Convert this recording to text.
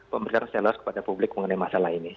pemberitaan secara luas kepada publik mengenai masalah ini